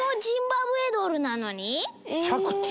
１００兆。